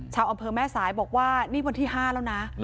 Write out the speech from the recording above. ชาวอำเภอแม่สายบอกว่านี่วันที่๕แล้วนะ